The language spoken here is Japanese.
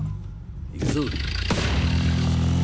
行くぞ。